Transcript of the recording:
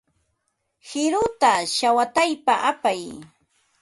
Qiruta shawataypa apay.